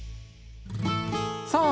さあ